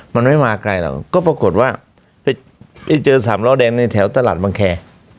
มันไม่มาไกลหรอกก็ปรากฏว่าไปเจอสามล้อแดงในแถวตลาดบังแค